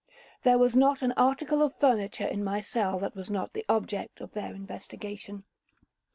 There was not an article of furniture in my cell that was not the object of their investigation.